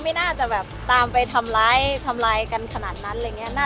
สวัสดีครับที่ได้รับความรักของคุณ